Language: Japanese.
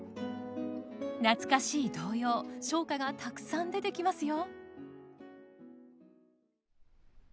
懐かしい童謡唱歌がたくさん出てきますよ。